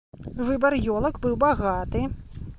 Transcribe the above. Выбар ёлак быў багаты.